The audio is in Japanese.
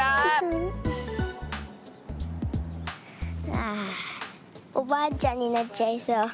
ああおばあちゃんになっちゃいそう。